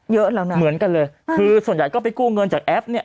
เยอะแล้วนะเหมือนกันเลยคือส่วนใหญ่ก็ไปกู้เงินจากแอปเนี่ย